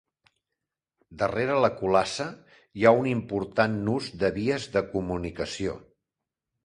Darrere la Culassa hi ha un important nus de vies de comunicació.